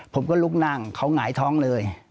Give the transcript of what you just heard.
ผมก็ลุกนั่งเขาหงายท้องเลย